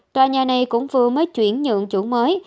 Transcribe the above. tòa nhà này cũng vừa mới chuyển nhượng chủ mới